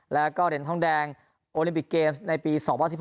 แล้วก็เหรียญทองแดงโอลิมปิกเกมส์ในปี๒๐๑๖